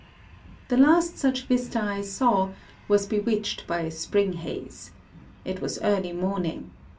... The last such vista I saw was bewitched by a spring haze. It was early morning.